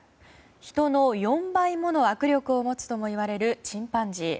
人の４倍もの握力を持つともいわれるチンパンジー。